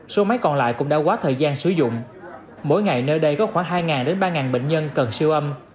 số máy còn lại cũng đã quá thời gian sử dụng mỗi ngày nơi đây có khoảng hai đến ba bệnh nhân cần siêu âm